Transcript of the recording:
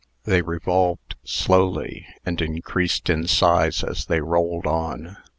They revolved slowly, and increased in size as they rolled on.